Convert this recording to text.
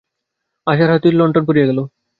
আশার হাত হইতে লণ্ঠন পড়িয়া গেল।